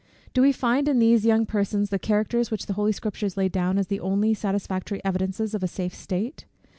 Do we find in these young persons the characters, which the holy Scriptures lay down as the only satisfactory evidences of a safe state?